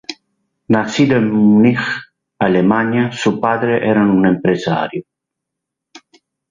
Nacido en Múnich, Alemania, su padre eran un empresario.